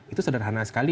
itu sederhana sekali